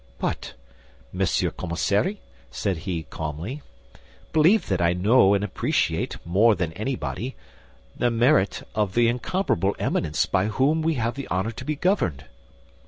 "But, Monsieur Commissary," said he, calmly, "believe that I know and appreciate, more than anybody, the merit of the incomparable eminence by whom we have the honor to be governed."